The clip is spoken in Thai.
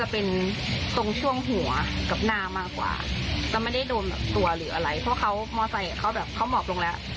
เพราะเขามอเตรลักษณ์เขาเหมาะลงแล้ว